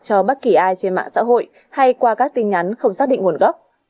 cho bất kỳ ai trên mạng xã hội hay qua các tin nhắn không xác định nguồn gốc